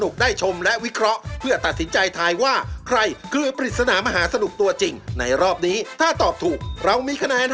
กลับเข้าสู่รายการรถมหาสนุกนะครับ